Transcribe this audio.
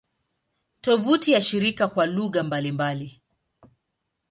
Tovuti ya shirika kwa lugha mbalimbali